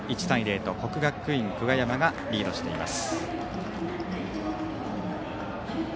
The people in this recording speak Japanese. １対０と国学院久我山がリードしています。